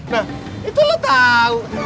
nah itu lo tahu